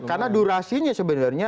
karena durasinya sebenarnya